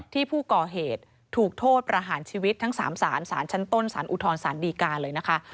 ที่ผู้ก่อเหตุถูกโทษประหารชีวิตทั้ง๓สารสารชั้นต้นสารอุทธรสารดีการเลยนะคะ